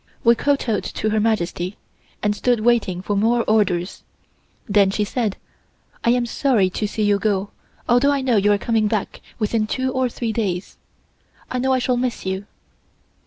We kowtowed to Her Majesty, and stood waiting for more orders. Then she said: "I am sorry to see you go although I know you are coming back within two or three days. I know I shall miss you."